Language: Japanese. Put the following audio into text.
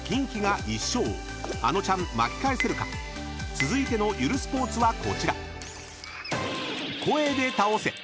［続いてのゆるスポーツはこちら］